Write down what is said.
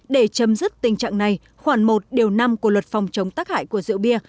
để chấm dứt tình trạng này khoảng một điều năm của luật phòng chống tác hại của rượu bia